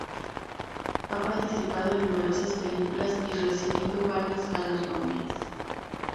Ha participado en numerosas películas y recibido varios galardones.